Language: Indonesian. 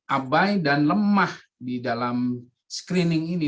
abai dan lemah di dalam screening ini